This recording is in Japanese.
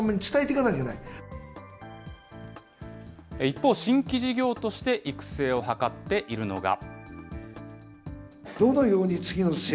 一方、新規事業として育成を図っているのが。